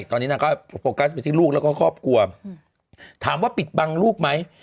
ตอนนี้นางก็โฟกัสไปที่ลูกแล้วก็ครอบครัวถามว่าปิดบังลูกไหม